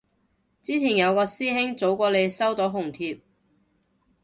之前有個師兄早過你收到紅帖